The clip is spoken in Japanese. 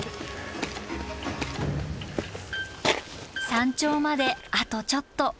山頂まであとちょっと。